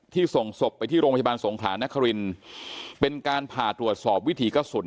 ส่งศพไปที่โรงพยาบาลสงขลานครินเป็นการผ่าตรวจสอบวิถีกระสุน